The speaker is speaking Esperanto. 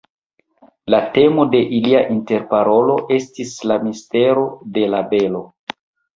La temo de ilia interparolo estis la mistero de la belo.